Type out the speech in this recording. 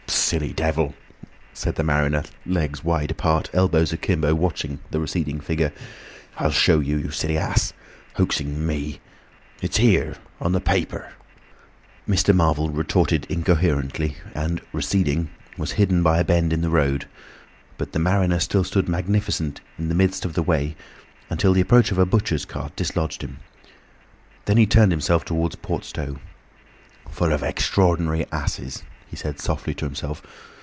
"Silly devil!" said the mariner, legs wide apart, elbows akimbo, watching the receding figure. "I'll show you, you silly ass—hoaxing me! It's here—on the paper!" Mr. Marvel retorted incoherently and, receding, was hidden by a bend in the road, but the mariner still stood magnificent in the midst of the way, until the approach of a butcher's cart dislodged him. Then he turned himself towards Port Stowe. "Full of extra ordinary asses," he said softly to himself.